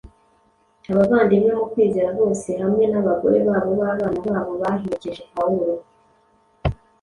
abavandimwe mu kwizera bose hamwe n’abagore babo n’abana babo baherekeje Pawulo